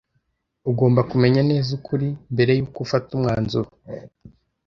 Ugomba kumenya neza ukuri mbere yuko ufata umwanzuro.